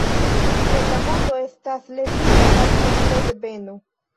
Tiel la mondo estas levita al fonto de beno.